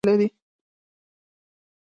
انسانان او ټول ژوندي شيان لمر ته اړتيا لري.